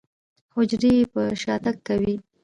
حجرې يې په شاتګ کوي.